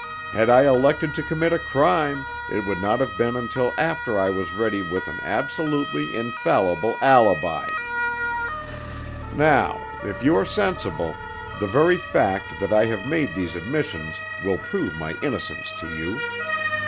Had I elected to commit a crime, it would not have been until after I was ready with an absolutely infallible alibi. "Now, if you are sensible, the very fact that I have made these admissions will prove my innocence to you.